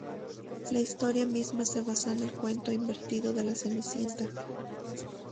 La historia misma se basó en el cuento invertido de la Cenicienta.